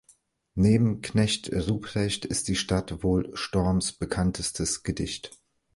Neben Knecht Ruprecht ist "Die Stadt" wohl Storms bekanntestes Gedicht.